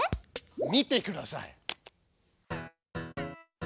見てください。